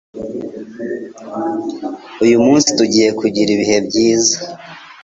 Uyu munsi, tugiye kugira ibihe byiza!